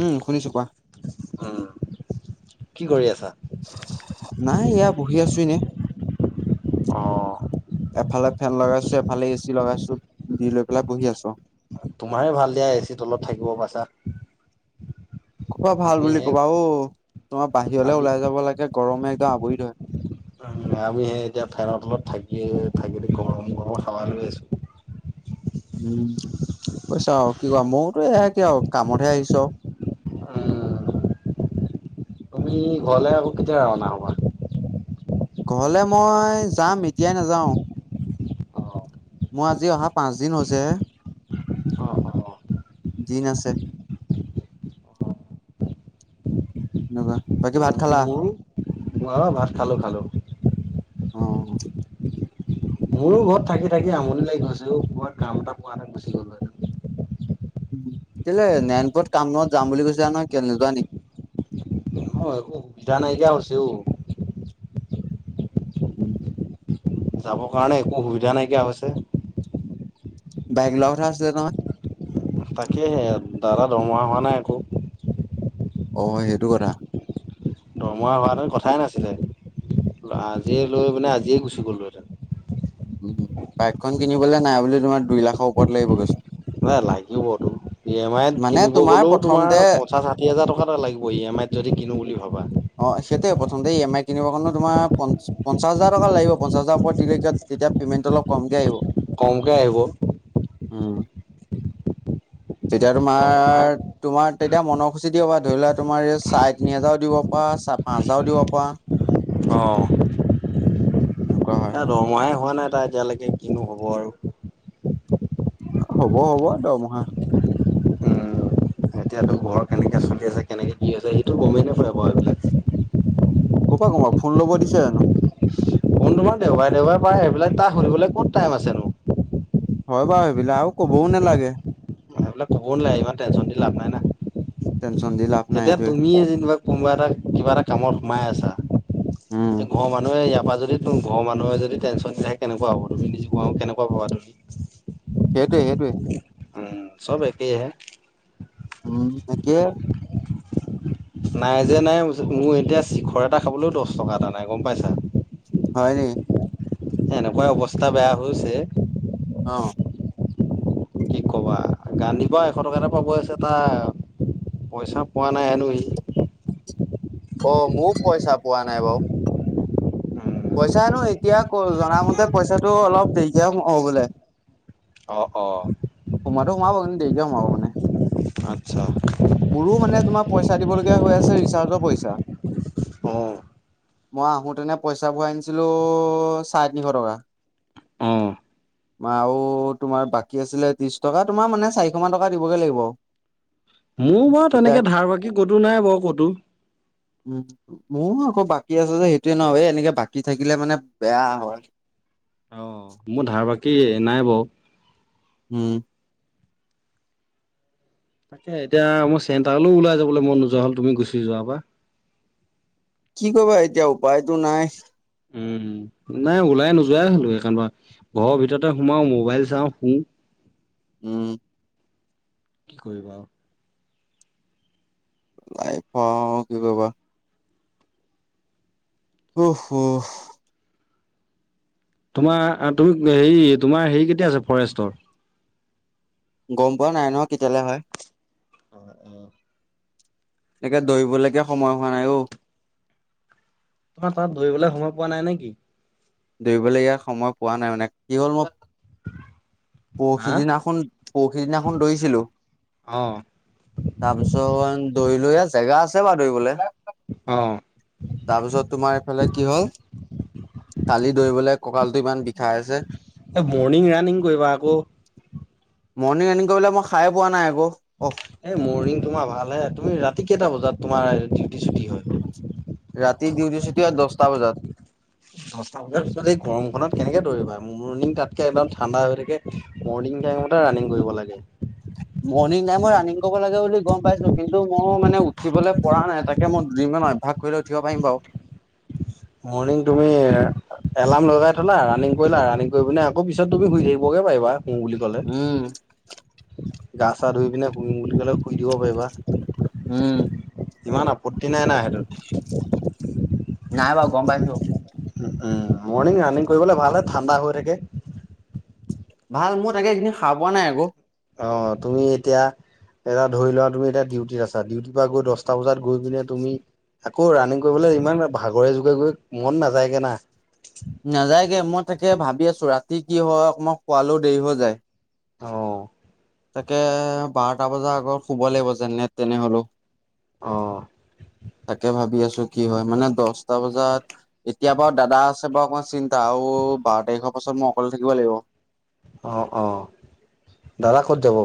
উম শুনিছোঁ কোৱা। উম, কি কৰি আছা? নাই এয়া বহি আছো এনে। অ'। এফালে ফেন লগাইছো এফালে এ চি লগাইছো দি লৈ পেলাই বহি আছো। তোমাৰ ভাল দিয়া এচিৰ তলত থাকিব পাইছা। কৰবা ভাল বুলি আমিহে কবা ঔ, তোমাৰ বাহিৰলে আমি ওলাই যাব লাগে গৰমে একদম আৱৰি ধয়ে। উম, আমি সেই এতিয়া ফেনৰ তলত থাকি থাকি গৰম গৰমত হাৱা লৈ আছো। উম, কৈছা আৰু কি কবা ময়তো এ কি আৰু কামতহে আহিছো আও। উম, তুমি ঘৰলে আকৌ কেতিয়া ৰাওনা হবা? ঘৰলে মই যাম এতিয়াই নাযাওঁ। অ', অ'। মোৰ আজি অহা পাঁচদিন হৈছেহে। দিন আছে। এনেকুৱা, বাকী ভাত খালা? মোৰো অ', ভাত খালো খালো। অ'। মোৰো ঘৰত থাকি থাকি আমনি লাগি গৈছে অ', কাৰবাত কাম এটা পোৱা এ গুচি গলো হেঁতেন। কেলৈ নায়ণপুৰত কামত যাম বুলি কৈছিলা নহয়, কেলৈ নোযোৱা নি? অ', একো সুবিধা নাইকিয়া হৈছে অ'। [unintelligible] যাবৰ কাৰণে একো সুবিধা নাইকিয়া হৈছে। বাইক লোৱা কথা আছিলে নহয়। তাকেহে, দাদা ধৰমহা হোৱা নাই আকৌ। অ', সেইটো কথা। দৰমহা হোৱা হেতেন কথাই নাছিলে। লা আজিয়ে লৈ মানে আজিয়ে গুচি গ'লোহেতেন। উম, বাইকখন কিনিবলৈ নাই বুলি তোমাৰ দুই লাখৰ ওপৰত লাগিবগে চো এ লাগিবতো ই এম আইত মানে কিনিব তোমাৰ গ'লেও প্ৰথমতে তোাৰ পঞ্চাশ ষাঠি হাজাৰ টকা এটা লাগিব ই এম আইত যদি কিনো বুলি ভাবা। অ', সেইটোৱে প্ৰথমতে ই এম আই কিনিব কাৰণে তোমাৰ পঞ্চ পঞ্চাছ হাজাৰ টকা লাগিব, পঞ্চাছ হাজাৰ ওপৰত দিলে এতিয়া তেতিয়া পে'মেণ্টো অলপ কমকৈ আহিব। কমকৈ আহিব। উম। [unintelligible] তেতিয়া দৰমহাই তোমাৰ তোমাৰ তেতিয়া মনৰসুচী দ হবা ধৰি লোৱা তোমাৰ এই চাৰে তিনি হাজাৰো দিব পোৱা চা পাঁচ হাজাৰো দিব পৰা। অ'। এনেকুৱা হয়। তাৰ দৰমহাই হোৱা নাই তাই এতিয়ালৈকে কিনো হ'ব আৰু। হ'ব হ'ব দৰমহা। এতিয়াতো ঘৰ কেনেকে চলি আছে কেনেকে কি হৈছে সেইটো গমেই নাপায় বাৰু বাৰু এইবিলাক। কপা গম পাব, ফোন ল'ব দিছে জানোঁ? কোনোবা দেওাৰে দেওাৰে পাই এইবিলাক তাৰ শুনলৈ ক'ত টাইম আছেনো। হয় বাৰু সেইবিলাক আৰু কবও নালাগে। এইবিলাক কব নালাগে ইমান টেনশ্যন দি লাভ নাই না। টেনচন দি লাভ নাই এতিয়া সেইটোৱে। তুমিয়ে যেনিবা কোনোবা এটা কিবা এটা কামত সোমাই আছা। উম। ঘৰ মানুহে ইয়াব তো যদি ঘৰৰ মানুহে যদি টেনশ্যন দি থাকে কেনেকুৱা হব তুমি নিজে কেনেকুৱা পাবা তুমি? সেইটোৱে সেইটোৱে। উম, চব একেইহে। উম, তাকে নাই যে নাই মোৰ এতিয়া চিখৰ এটা খাবলৈও দহ টকা এটা নাই গম পাইছা? হয় নি? এনেকুৱাই অৱস্থা বেয়া হৈছে। অহ। কি কবা, গান দিবা এশ টকা এটা পাব আছে তাৰ। পইচা পোৱা নাই হেনো সি। অহ, মইয়ো পইচা পোৱা নাই বাৰু। পইচানো এতিয়া ক'ত, জামতে পইচাটো অলপ দেৰিকেহে সোমাব বোলে। অহ', অহ'। সোমাবাতো সোমাব কিন্তু দেৰিকে সোমাব মানে। আচ্ছা মোৰো মানে তোমাৰ পইচা দিবলগীয়া হৈ আছে ৰিচাৰ্জৰ পইচা। অ মই আহোঁতেনে পইচা ভৰাই আনিছিলোঁ চাৰে তিনিশ টকা। অহ। আৰু তোমাৰ বাকী আছিলে ত্ৰিশ টকা তোমাৰ মানে চাৰিশ মান টকা দিবগে লাগিব। মোৰ বাৰু এতিয়া তেনেকে ধাৰ বাকী কতো নাই বাৰু কতো। উম, মোৰ আকৌ বাকী আছে যে সেইটোৱে ন' এই এনেকে বাকী থাকিলে মানে বেয়া হয়। কি নাই বাৰু। উম। তাকে এতিয়া মোৰ চেণ্টাৰলৈ ওলাই যাবলৈ মন নোযোৱা হ'ল তুমি গুচি যোৱাৰ পৰা। কি কৰিবা এতিয়া উপায়তো নাই। উম। নাই ওলাই নোযোৱাই হ'লো এইকাৰণৰপা ঘৰৰ ভিতৰতে সোমাও মোবাইল চাওঁ শুওঁ। উম। কি কৰিবা আৰু। লাই পাওঁ কি কৰিবা। উফ, উফ। তোমাৰ তুমি হেৰি, তোমাৰ হেৰি কেতিয়া আছে ফৰেষ্টৰ। গম পোৱা নাই নহয় কেতিয়ালৈ হয়। অহ', অহ'। সেইকাৰণে দৌৰিবলৈকে সময় হোৱা নাই অহ। তোমাৰ তাত দৌৰিবলৈ সময় পোৱা নাই নেকি? দৌৰিবলৈকে সময় পোৱা নাই মানে, কি হ'ল মই হা পৰশিদিনাখন, পৰশিদিনাখন দৈছিলোঁ। অ', তাৰপিছত দৌৰিলোহে জেগা আছে বাাৰু দৌৰিবলে। অ', তাৰপিছত তোমাৰ এইফালে কি হ'ল। কালি দৌৰিবলে কঁকাল এই মৰ্ণিং ৰাণিং কৰিবা আকৌ। মৰ্ণিং ৰানিং কৰিবলে মই শাৰে এ পোৱা নাই আকৌ। অ এ মৰ্ণিং তোমাৰ ভাল হে, তুমি ৰাতি কেইটা বজাত তোমাৰ কি ছুটি হয়। ৰাতি ডিউটি ছুটি হয় দহটা বজাত। দহটা বজাৰ পিছত এই গৰমখনত কেনেকে দৌৰিবা, মৰ্ণিং তাতকে একদম ঠাণ্ডা হৈ থাকে মৰ্ণিং টামতে ৰাণিং কৰিব লাগে। মৰ্ণিং নাই মই ৰাণং কৰিব লাগে বুলি গম পাইছোঁ, কিন্তু মই মানে উঠিবলৈ পৰা নাই, তাকে মই দুদিনমান অভ্যাস কৰিলে উঠিব পাৰিম বাৰু। মৰ্ণিং তুমি এলাৰ্ম লগাই থলা, ৰানিং কৰিলা ৰানিং কৰি পিনে আকৌ পিছত তুমি শুই থাকিবগে পাৰিবা। শুম বুলি ক'লে, উম গা-চা ধুই পিনে শুই বুলি সোনকালে শুই দিব পাৰিবা। উম ইমান আপত্তি নাই না সেইটোত। নাই বাৰু গম পাইছোঁ। উম, মৰ্ণিং ৰাণিং কৰিবলে ভালহে ঠাণ্ডা হৈ থাকে। ভাল মই তাকে এইকেদিন শাৰ পোৱা নাই আকৌ। অ', তুমি এতিয়া এটা ধৰি লোৱা তুমি এতিয়া ডিউটিত আছা ডিউটিৰ পৰা গৈ দছটা বজাত গৈ পিনে তুমি আকৌ ৰানিং কৰিবলৈ ইমান ভাগৰে জোগৰে গৈ মন নাযায়গে না নাযায়গে মই তাকে ভাবি আছো ৰাতি কি হয় অক মই খোৱালেও দেৰি হৈ যায় অ', তাকে বাৰটা বজাৰ আগত শুব লাগিব যেনে তেনে হলেও আহ তাকে ভাবি আছো কি হয় মানে দছটা বজাত এতিয়া বাৰু দাদা আছে বাৰু অকমান চিন্তা আৰু ওবাৰ তাৰিখৰ পাছত মই অকলে থাকিব লাগিব। অ', দাদা ক'ত যাব?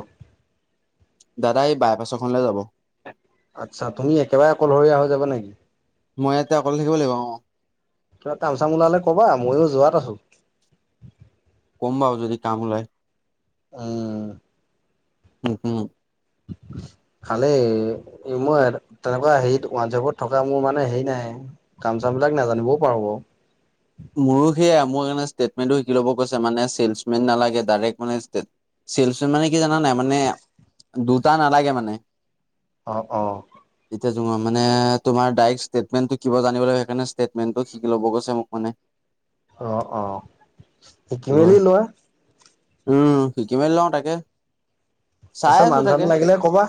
দাদা এই বাইপাছখনলে যাব। আচ্ছা তুমি একেবাৰে অকলশৰীয়া হৈ যাবা নেকি? মই ইয়াতে অকলে থাকিব লাগিব অ বা কামচাম ওলালে কবা মইও যোৱাত আছো কম বাও যদি কাম ওলাই উম্ উম হম [unintelligible] খালি মই তেনেকুৱা হেৰিত হোৱাটছপত থকা মোৰ মানে হেৰি নাই কাম বিলাক নাজানিবও পাৰো বাও মোৰো সেয়াাই মোক এনে ষ্টেটমেনটো শিকি ল'ব কৈছে মানে চলচমেন নালাগে ডাইৰেক্ট মানে চিলচ মানে কি জানা নাই মানে দুটা নালাগে মানে অহ, অহ য়া মানে তোমাৰ ডৰেক্ট ষ্টেটমেটো কিব জানিব ল সেইকাৰে ষ্টেটমেন্টো শিকি ল'ব গৈ মোকানে অ', অ', মেলি লোৱা উম শিকি মেলি লওঁ তাকে চাই পিছত আছো মান চান তাকে লাগিলে কবা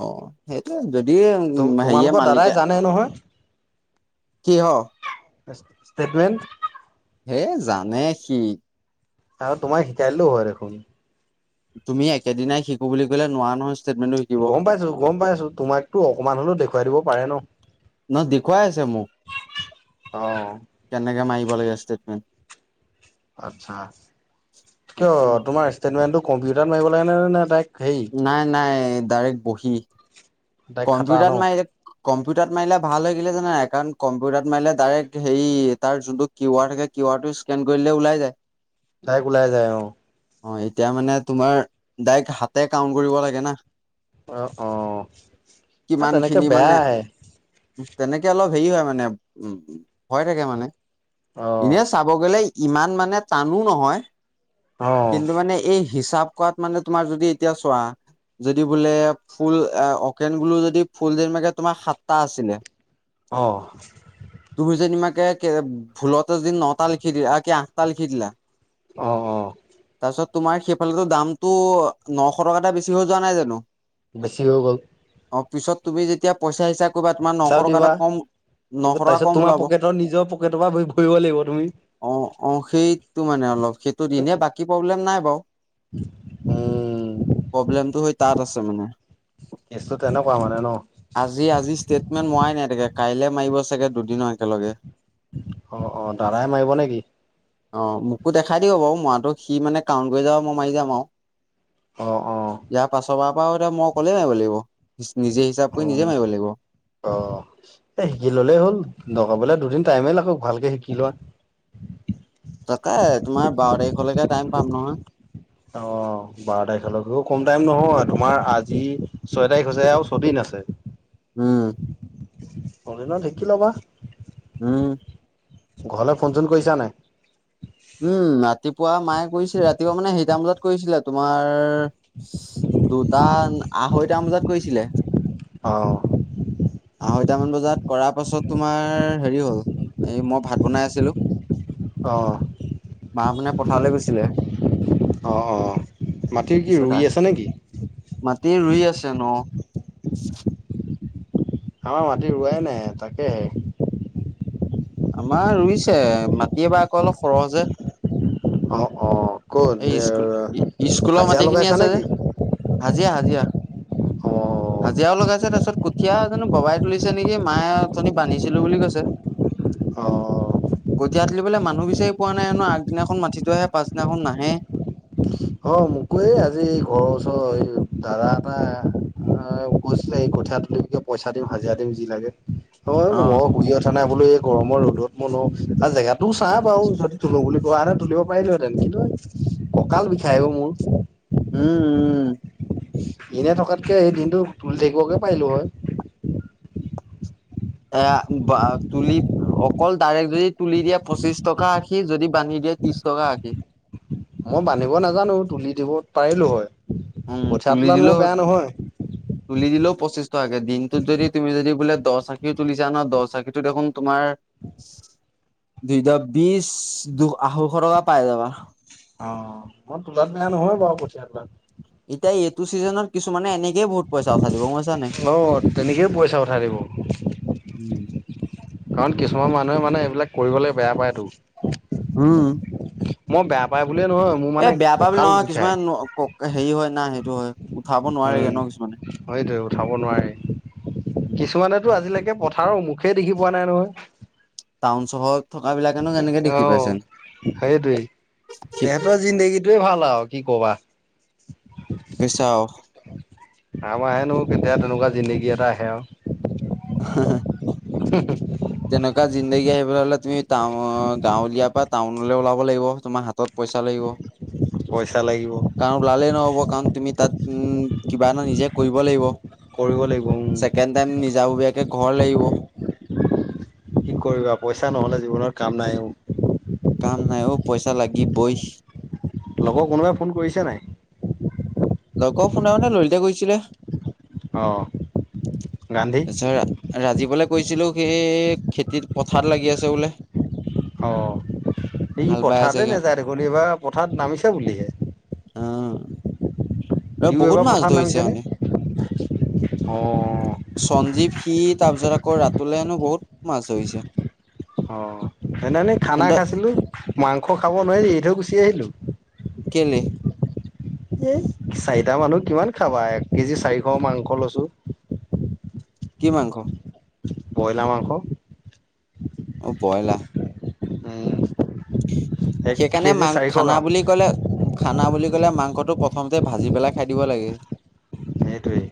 আহ সেই দ উ হে তোমালোকৰ দাদাই মালিকে জানে নহয় কিহ? ষ্টেটমেণ্ট হে জানে সি আৰু তোমাক শিকাইলেও হয় দেখোন তুমি একেদিনাই শিকো বুলি কলে নোৱা নহয় ষ্টেটমেণ্টটো শিকিব। গম পাইছো গম পাইছো তোমাকতো অকমান হলেও দেখুৱাই দিব পাৰে ন? নহ দেখুৱাই আছে মোক অ কেনেকে মাৰিব লাগে ষ্টেটমেণ্ট আচ্ছা কিয় তোমাৰ ষ্টেটমেন্টটো কম্পিউটাৰত মাৰিব লাগেনে ন নে তাইক নাই নাই ডাইৰেক্ট বহি ডাইৰেক্ট খাতা ন কম্পিউটাৰত মাৰিলে কম্পিউটাৰ মাৰিলে ভাল হৈ গে জান কাৰণ কম্পিউটাৰত মাৰিলে ডাইৰেক্ট হেৰি তাৰ যোনটো কিউ আৰ থাকে কিউ আৰটো স্কেন কৰিলে ওলাই যায় চাই ওলাই যায় অ', অ', এতিয়া মানে তোমাৰ ডাইৰেক্ট হাতে কাউণ্ট কৰিব লাগে না অ', অ', এ কিমান তেনেকে খিনি বেয়া মানে আহে তেনেকে অলপ হেৰি হয় মানে উ ভয় থাকে মানে অ এনেই চাব গলে ইমান মানে টানো নহয় অ', কিন্তু মানে এই হিচাপ কৰাাত মানে তোমাৰ যদি এতিয়া চোৱা যদি বোলে ফুল এ ন গ যদি ফুল মে তোমাৰ সাতটা আছিলে অ', কে ভুলত এ যিন নটা লি খিদিলা কি আঠটাাল লিখিদিলা অহ অহ তাৰ পিছত তোমাৰ সেইফালে দামতটো নশ টকা এটা বেছি হৈ যোৱা নাই জানো? বেছি হৈ গ'ল অ পিছত তুমি যেতিয়া পইচা হিচাপ ক কৰিবা তোমাৰ নশ টকা এটা কম নশ তাৰ টকা পিছত কম তোমাৰ ওলাব পকেটৰ নিজৰ পকেটৰ পৰা ভৰিব লাগিব তুমি অ অ সেইটো মানে অলপ সেইটো দিনে বাকী প্ৰব্লেম নাই উম, প্ৰব্লেমটো হৈ তাত আছে মানে কেচটো তেনেকুৱা মানে ন আজি আজি ষ্টেটমেন্ট মোৱাই নাই তোকে কাইলে মাৰিব চাগে দুদিনৰ একেলগে অ অ দাৰাই মাৰিব নেকি অ মোকো দেখাই দিব বাৰু মইটো সি মানে কাউণ্ট কৰি যাব মই মাৰি যাম আৰু অ', অ', ইয়াৰ পাছৰ পৰা পৰা এতিয়া মই ক'লে নাই বোলে নিজে হিচাপ কৰি নিজে মাৰিব লাগিব এ শিকি ললেই হ'ল লগাবলে দুদিন টাইমেই লাগক ভালকে শিকি লোৱা তাকে তোমাৰ বাৰ তাৰিখলৈকে টাইম পাম নহয় অ বাৰ তাৰিখলৈক কম টাইম নহয় তোমাৰ আজি ছয় তাৰিখ হৈছে আৰু ছদিন আছে ছে উম অদিন ঢেক ল'বা উম ঘৰলৈ ফোন চোন কৰিছা নাই উম কৈছিলা তোমাৰ দুট আঢ়ৈটাম বজাত কৰিছিলে অঁ আঢ়ৈটামান বজাত কৰাৰ পাছত তোমাৰ হেৰি হ'ল এই মই ভাত বনাই আছিলোঁ অ মা মানে পথাৰলৈ গৈছিলে অঁ অঁ মাটিৰ কি ৰুই আছে নেকি তে ৰুই আছে ন আমাৰ মাটি ৰুৱাই নাই তাকে আমাৰ ৰুইছে মাটয়ে বা আকৌ অলপ সৰহ যে অ অ ক'ত এই স্কুল স্কুলৰ হাজিৰা মাটি খিনি লগাইছা আছে নেকি? যে হাজিৰা হাজিৰা অ', হাজিৰাও লগাইছে তাৰপিছত কঠিয় জানো ববাই তুলিছে নেকি মায়ে অথনি বান্ধিছিলো বুলি কৈছে অ কঠীয়া তুলিবলৈ মানুহ বিচাৰি পোৱা নাই হেনো আগদিনাখন মাতি থৈ আহে পাছদিনাখন নাহে অ মোককো এই আজি এই ঘৰৰ ওচৰৰ এই দাদা এটা কৈছিলে এই কঠীয়া তুলিমকে পইচা দিম হাজিৰা দিম যি লাগে অ মই শুইয়ে উঠা নাই গৰমৰ ৰ'দত মইনো আৰু জেগাতটোও ছা বাৰু যদি তোলো বুলি কোৱাে তুলিব পাৰিলোহেতেন কিন্তু কঁকাল বিষায় ও মোৰ উম উম এনে থকাতকে দিনটো তুলি থাকিবকে পাৰিলো হয় এ তুলি অকল ডাইৰেক্ট যদি তুলি দিয়ে পঁচিশ টকা আশি যদি বান্ধি ত্ৰিশটকা আশি মই বান্ধিব নাজানো তুলি দিব পাৰিলো হয় উম কঠীয়া তুলি তোলাত মই দিলোঁ বেয়া নহয়। তুলি দিলেও পঁচিশ টকাকে দিনটোত যদি তুমি যদি বোলে দহ চাখি তুলিছা ন দহ চাখিটো দেখোন তোমাৰ দুইটা বিশ দু আঢ়ৈশ টকা পাই যাবা অ মই তোলাত বেয়া নহয় বাৰু কঠিয়া বিলাক এতিয়া এইটো চিজনত কিছুমানে এনে অ তেনেকেই পইচা পঠাই দিব উম কাৰণ কিছুমান মানুহে মানে এইবিলাক কৰিব লাগে বেয়া পায়তো উম, মই বেয়া পাই বুলিয়ে নহয় মোৰ এ মানে বেয়া পাবি কঁকাল নহয় বিষায় কিছুমান হেৰি হয় না সেইটো হয় উঠাব নোৱাৰি উম ন কিছুমানে সেইটোৱে উঠাব নোৱাৰি। কিছুমানেতো আজিলৈকে পথাৰৰ মুখেই দেখি পোৱা নাই নহয় টাউন চহৰত থকা বিলাকেনো কেনেকে দেখি পাইছে অ', সেইটোৱে তেখেতৰ জিন্দেগীটোৱে ভাল আৰু কি কবা চাও আমাৰ হেনো কেতিয়া তেনেকুৱা জিন্দেগী এটা আহে আৰু [unintelligible] জিন্দগী আহিব হলে তুমি টাউন গাঁৱলীয়াৰ পৰা টাউনলৈ ওলাব লাগিব তোমাৰ হাতত পইচা লাগিব পইচা লাগিব কাৰণ ওলালেই নহ'ব কাৰণ তুমি তাত উম, কিবা এটা নিজে কৰিব লাগিব কৰিব লাগিব উম, যাব ঘৰ লাগিব কি কৰিবা পইচা নহলে জীৱনৰ কাম নাই কাম নাই অ পইচা লাগিবই লগৰ কোনোবাই ফোন কৰিছে নাই লগৰ শুনা মানে লৰিতে কৰিছিলে অ গান্ধী ৰাজীৱলৈ কৈছিলো সেই খেতিত পথাৰত লাগি আছে বোলে অ', এই হাল বাই আছে পথাৰতে সিহঁত নাযায় দেখোন এইবাৰ পথাৰত নামিছে বুলিহে এ সিও বহুত এইবাৰ মাছ পথাৰত ধৰিছে নামিছেনে? মানে অ', সঞ্জীৱ সি তাৰপিছত আকৌ ৰাতুললে হেনো বহুত মাছ ধৰি হৈছে অ ', সনেনেই খানা খাইছিলো মাংস খাব নোৱাৰি এই থৈ গুচি আহিলো কেলে? এ চাৰিটা মানুহ কিমান খাবা এক কেজি চাৰিশ মাংস লৈছো কি মাংস? বয়লাৰ মাংস অ বইলা উম, এক সেইকাৰণে কেজি চাৰিশ গ্ৰাম বুলি খানা বুলি কলে মাংসটো প্ৰথমতে ভাজি পেলাই খাই দিব লাগে নেইটোৱেই